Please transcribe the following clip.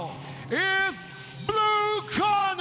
โอ้โหเดือดจริงครับ